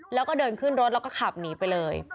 แล้วก็เดินขึ้นรถแล้วก็ขับหนีไปเลย